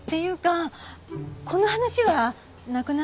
この話はなくなったみたい。